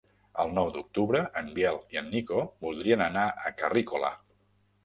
El nou d'octubre en Biel i en Nico voldrien anar a Carrícola.